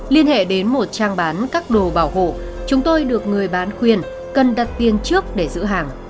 liên hệ đến một trang bán các đồ bảo hộ chúng tôi được người bán khuyên cần đặt tiền trước để giữ hàng